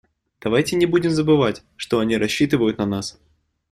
Давайте не будем забывать, что они рассчитывают на нас.